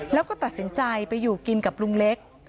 แล้วก็ตัดสินใจไปอยู่กินกับลุงเล็ก